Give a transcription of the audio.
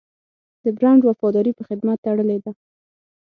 د برانډ وفاداري په خدمت تړلې ده.